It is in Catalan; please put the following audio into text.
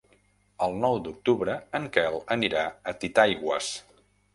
El nou d'octubre en Quel anirà a Titaigües.